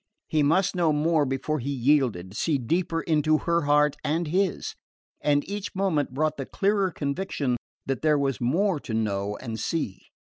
He must know more before he yielded, see deeper into her heart and his; and each moment brought the clearer conviction that there was more to know and see.